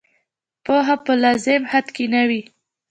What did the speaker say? پوهه په لازم حد کې نه وي.